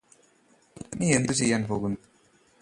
നീയെന്തു ചെയ്യാന് പോകുന്നു